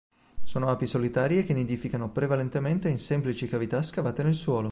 Sono api solitarie che nidificano prevalentemente in semplici cavità scavate nel suolo.